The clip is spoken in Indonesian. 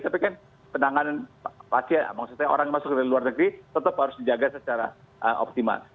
tapi kan penanganan orang yang masuk dari luar negeri tetap harus dijaga secara optimal